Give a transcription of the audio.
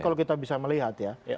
kalau kita bisa melihat ya